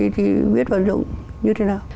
thì biết và dụng như thế nào